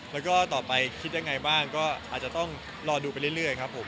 แล้วก็ต่อไปคิดยังไงบ้างก็อาจจะต้องรอดูไปเรื่อยครับผม